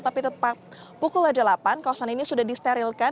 tapi tepat pukul delapan kawasan ini sudah disterilkan